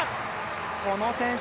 この選手